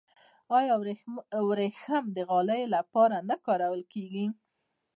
آیا وریښم د غالیو لپاره نه کارول کیږي؟